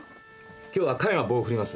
今日は彼が棒を振ります。